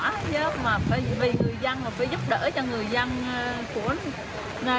mà phải giúp đỡ cho người dân